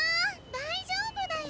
大丈夫だよ！